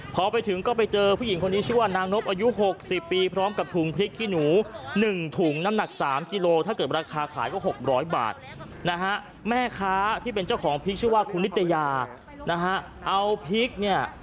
พอไปถึงก็ไปเจอผู้หญิงคนนี้ชื่อนางนมอายุ๖๐ปี